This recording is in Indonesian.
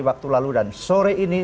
waktu lalu dan sore ini